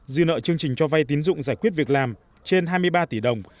dư nợ chương trình cho vay tín dụng giải quyết việc làm trên hai mươi ba tỷ đồng